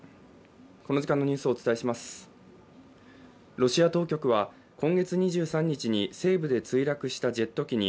ロシア当局は今月２３日に西部で墜落したジェット機に